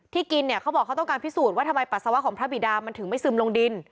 กินเนี่ยเขาบอกเขาต้องการพิสูจน์ว่าทำไมปัสสาวะของพระบิดามันถึงไม่ซึมลงดิน